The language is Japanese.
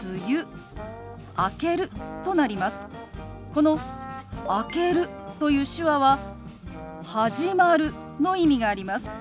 この「明ける」という手話は「始まる」の意味があります。